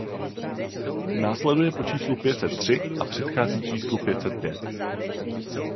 Následuje po číslu pět set tři a předchází číslu pět set pět.